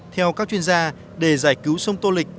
theo các chuyên gia để giải cứu sông tô lịch